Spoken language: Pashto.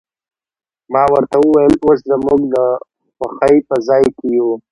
ما ورته وویل، اوس زموږ د خوښۍ په ځای کې یو.